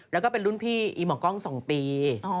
แล้วก็เป็นรุ่นพี่อีหมอกล้อง๒ปี